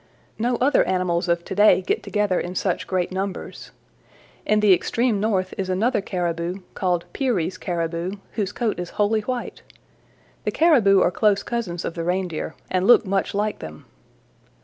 No other animals of to day get together in such great numbers. In the extreme North is another Caribou, called Peary's Caribou, whose coat is wholly white. The Caribou are close cousins of the Reindeer and look much like them.